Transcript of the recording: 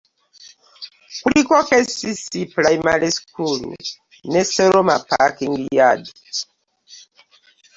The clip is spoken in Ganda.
Kuliko KCC Primary School ne Seroma Parking Yard